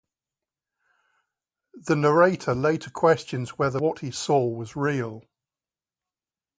The narrator later questions whether what he saw was real.